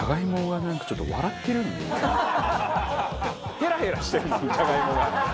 ヘラヘラしてるもんじゃがいもが。